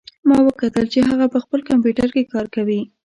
ما وکتل چې هغه په خپل کمپیوټر کې کار کوي